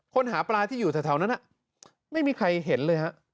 หาปลาที่อยู่แถวนั้นไม่มีใครเห็นเลยฮะ